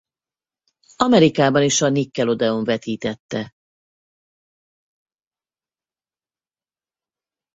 Amerikában is a Nickelodeon vetítette.